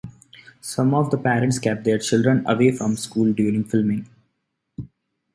Some of the parents kept their children away from the school during filming.